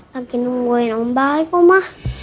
lagi nungguin om baik omah